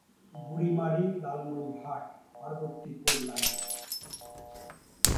Burimari-Lalmonirhat-Parbatipur line